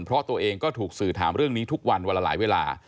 เพราะตัวเองก็ถูกสื่อถามเรื่องนี้ทุกวันวันละหลายเวลา